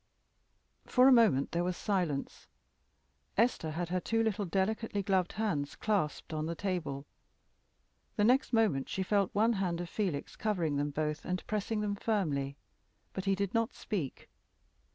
For a moment there was silence. Esther had her two little delicately gloved hands clasped on the table. The next moment she felt one hand of Felix covering them both and pressing them firmly; but he did not speak.